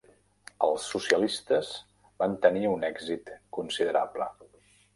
Els socialistes van tenir un èxit considerable.